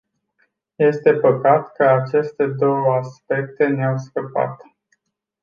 Este păcat că aceste două aspecte ne-au scăpat.